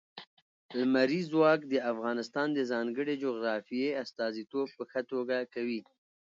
لمریز ځواک د افغانستان د ځانګړي جغرافیې استازیتوب په ښه توګه کوي.